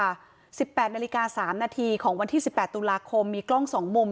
๑๘นาฬิกา๓นาทีของวันที่๑๘ตุลาคมมีกล้อง๒มุม